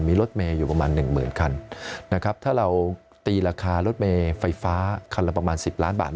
มีรถเมลอยู่ประมาณ๑๐๐๐๐คันถ้าเราตีราคารถเมลไฟฟ้าคันละประมาณ๑๐ล้านบาท